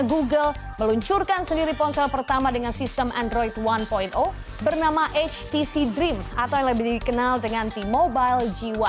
google meluncurkan sendiri ponsel pertama dengan sistem android satu bernama htc dream atau yang lebih dikenal dengan t mobile g satu